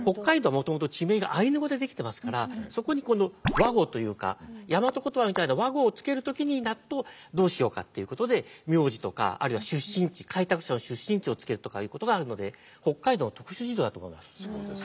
もともと地名がアイヌ語でできてますからそこに和語というか大和言葉みたいな和語を付ける時になるとどうしようかっていうことで名字とかあるいは出身地開拓者の出身地を付けるとかいうことがあるので北海道の特殊事情だと思います。